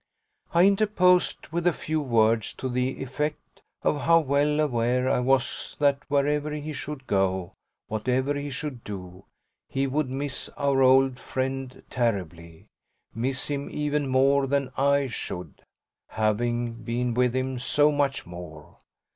I interposed with a few words to the effect of how well aware I was that wherever he should go, whatever he should do, he would miss our old friend terribly miss him even more than I should, having been with him so much more.